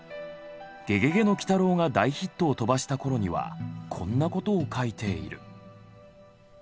「ゲゲゲの鬼太郎」が大ヒットを飛ばしたころにはこんな事を書いている。